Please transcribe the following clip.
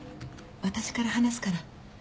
私から話すから。